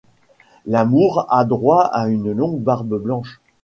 L’amour a droit à une longue barbe blanche.